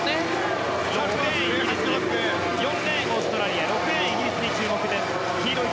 ４レーン、オーストラリア６レーン、イギリスに注目。